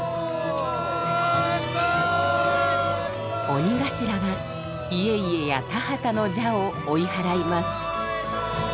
鬼頭が家々や田畑の邪を追いはらいます。